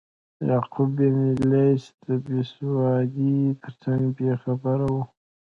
یعقوب بن لیث د بیسوادۍ ترڅنګ بې خبره و.